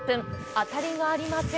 当たりがありません。